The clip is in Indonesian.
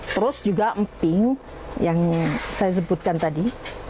terus juga emping yang saya sebutkan tadi